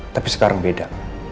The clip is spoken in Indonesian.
tapi sekarang beda